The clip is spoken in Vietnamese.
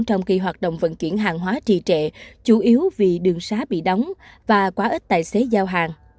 trong khi hoạt động vận chuyển hàng hóa trì trệ chủ yếu vì đường xá bị đóng và quá ít tài xế giao hàng